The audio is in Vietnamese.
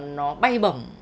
nó bay bẩm